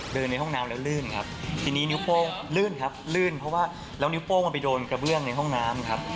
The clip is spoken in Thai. ในห้องน้ำแล้วลื่นครับทีนี้นิ้วโป้งลื่นครับลื่นเพราะว่าแล้วนิ้วโป้งมันไปโดนกระเบื้องในห้องน้ำครับ